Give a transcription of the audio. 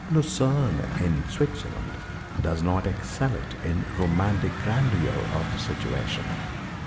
Lucerne, in Switzerland does not excel it in romantic grandeur of situation.